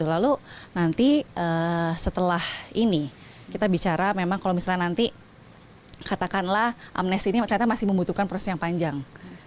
lalu nanti setelah ini kita bicara memang kalau misalnya nanti katakanlah amnesti ini ternyata masih membutuhkan proses yang panjang